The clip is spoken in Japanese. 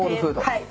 はい。